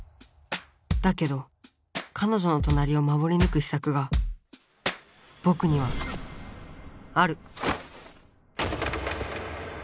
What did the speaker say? だけどかのじょの隣を守りぬく秘策がぼくにはある。